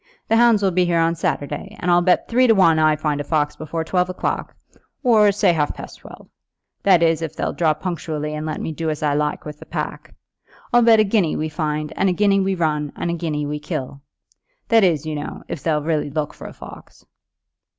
"The hounds will be here on Saturday, and I'll bet three to one I find a fox before twelve o'clock, or, say, half past twelve, that is, if they'll draw punctually and let me do as I like with the pack. I'll bet a guinea we find, and a guinea we run, and a guinea we kill; that is, you know, if they'll really look for a fox."